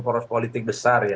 poros politik besar ya